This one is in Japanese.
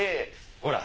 ほら！